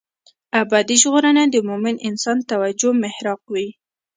ابدي ژغورنه د مومن انسان توجه محراق وي.